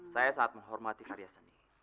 saya sangat menghormati karya seni